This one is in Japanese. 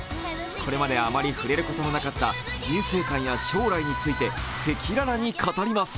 これまであまり触れることのなかった人生観や将来について赤裸々に語ります。